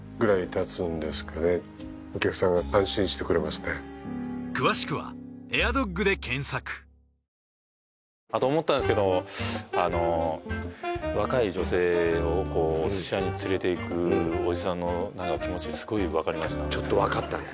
すごい先生も「そうですね」ってあと思ったんですけどあの若い女性をこうお寿司屋に連れていくおじさんの何か気持ちすごい分かりましたちょっと分かったね